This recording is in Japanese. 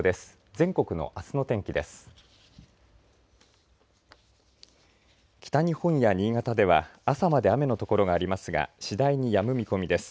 全国のあすの天気です。